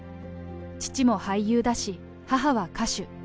父も俳優だし、母は歌手。